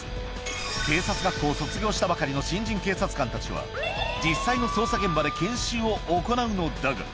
警察学校を卒業したばかりの新人警察官たちは、実際の捜査現場で研修を行うのだが。